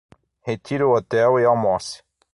Retire o hotel e almoce